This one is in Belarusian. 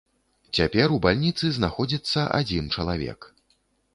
Цяпер у бальніцы знаходзіцца адзін чалавек.